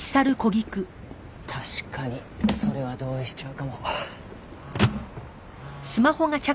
確かにそれは同意しちゃうかも。